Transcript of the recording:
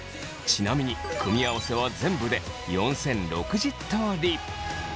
ちなみに組み合わせは全部で４，０６０通り。